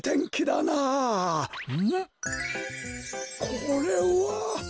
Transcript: これは！